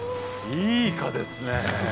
いいイカですね。